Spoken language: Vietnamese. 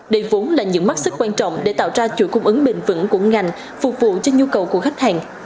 đây vốn là những mắc sức quan trọng để tạo ra chuỗi cung ứng bền vững của ngành phục vụ cho nhu cầu của khách hàng